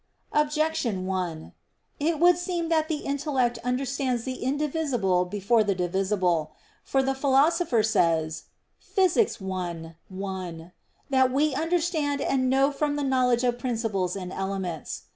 Objection 1: It would seem that the intellect understands the indivisible before the divisible. For the Philosopher says (Phys. i, 1) that "we understand and know from the knowledge of principles and elements."